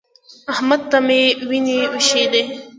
احمد ته مې وينې وايشېدې.